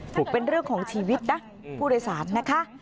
เป็นเรื่องของชีวิตนะผู้โดยสารนะคะ